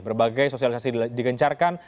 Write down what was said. berbagai sosialisasi digencarkan